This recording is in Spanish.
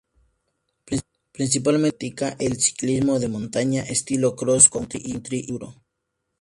Principalmente se practica el ciclismo de montaña, estilo cross country y enduro.